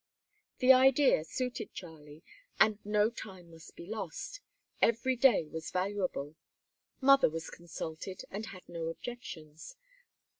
The idea suited Charlie, and no time must be lost. Every day was valuable. Mother was consulted, and had no objections.